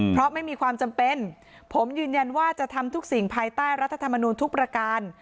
เพราะไม่มีความจำเป็นผมยืนยันว่าจะทำทุกสิ่งภายใต้รัฐธรรมนูลทุกประการ